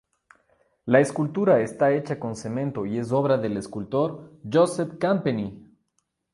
La escultura está hecha con cemento y es obra del escultor Josep Campeny.